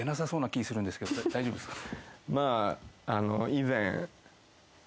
大丈夫っすか？